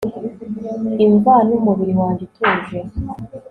imva numubiri wanjye utuje